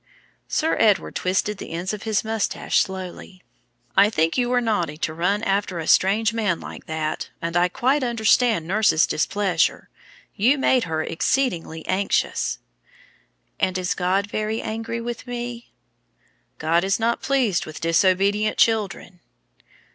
Sir Edward twisted the ends of his moustache slowly. "I think you were naughty to run after a strange man like that, and I quite understand nurse's displeasure. You made her exceedingly anxious." "And is God very angry with me?" "God is not pleased with disobedient children."